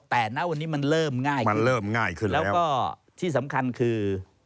แต่ณวันนี้มันเริ่มง่ายขึ้นและก็ที่สำคัญคือ